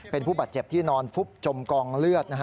เป็นผู้บาดเจ็บที่นอนฟุบจมกองเลือด